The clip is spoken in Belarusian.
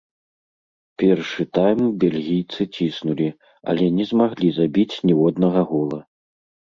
Першы тайм бельгійцы ціснулі, але не змаглі забіць ніводнага гола.